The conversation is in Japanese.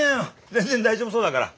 全然大丈夫そうだから。